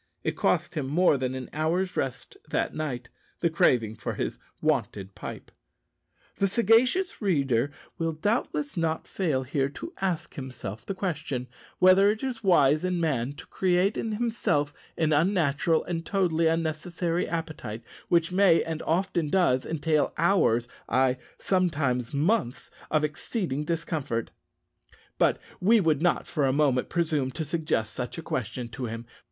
It cost him more than an hour's rest that night, the craving for his wonted pipe. The sagacious reader will doubtless not fail here to ask himself the question, whether it is wise in man to create in himself an unnatural and totally unnecessary appetite, which may, and often does, entail hours ay, sometimes months of exceeding discomfort; but we would not for a moment presume to suggest such a question to him.